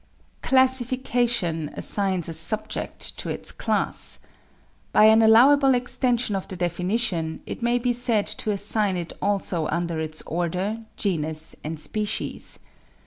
=Classification= assigns a subject to its class. By an allowable extension of the definition it may be said to assign it also to its order, genus, and species.